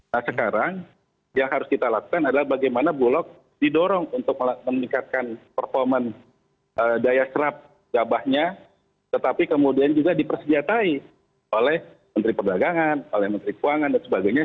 nah sekarang yang harus kita lakukan adalah bagaimana bulog didorong untuk meningkatkan performa daya serap gabahnya tetapi kemudian juga dipersenjatai oleh menteri perdagangan oleh menteri keuangan dan sebagainya